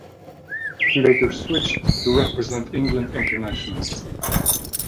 He later switched to represent England internationally.